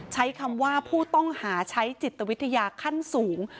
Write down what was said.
ใช้คำว่าผู้ต้องหาใช้จิตวิทยาขั้นสูง